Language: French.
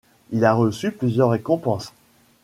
Il a reçu plusieurs récompenses.